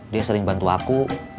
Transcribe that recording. dia sering bantu aku